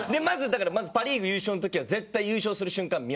まずだからパ・リーグ優勝の時は絶対優勝する瞬間